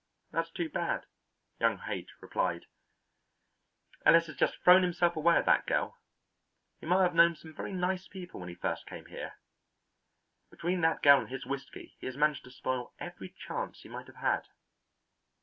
"That's too bad," young Haight replied. "Ellis has just thrown himself away with that girl. He might have known some very nice people when he first came here. Between that girl and his whisky he has managed to spoil every chance he might have had."